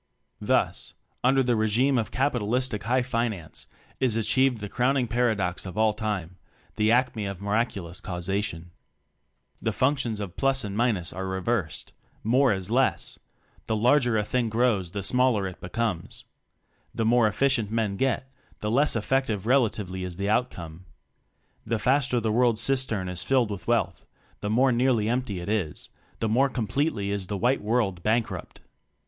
Thus, under the regime of capitalis tic "High Finance," is achieved the crowning paradox of all time the acme of miraculous causation: The functions of plus and minus are reversed; more is less! The larger a thing grows the smaller it becomes! The more efficient men get, the less effective relatively is the outcome! The faster the world cistern is filled with wealth the more nearly empty it is, the more completely is the White World bankrupt!!